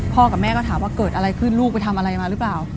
กับแม่ก็ถามว่าเกิดอะไรขึ้นลูกไปทำอะไรมาหรือเปล่า